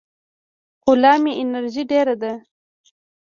خو لا مې انرژي ډېره ده.